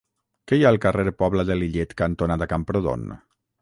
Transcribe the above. Què hi ha al carrer Pobla de Lillet cantonada Camprodon?